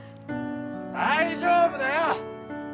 大丈夫だよ！